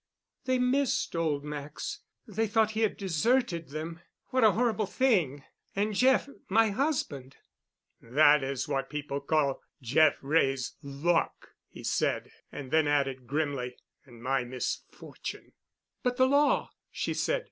They missed old Max. They thought he had deserted them. What a horrible thing! And Jeff—my husband——" "That is what people call Jeff Wray's luck," he said, and then added grimly, "and my misfortune." "But the law?" she said.